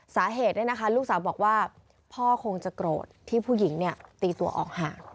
สาเหตุเนี่ยนะคะลูกสาวบอกว่าพ่อคงจะโกรธที่ผู้หญิงเนี่ยตีตัวออกห่าง